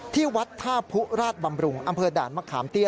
ที่วัดท่าผู้ราชบำรุงอำเภอด่านมะขามเตี้ย